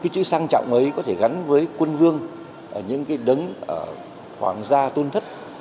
chữ sang trọng ấy có thể gắn với quân vương những đấng hoàng gia tôn thất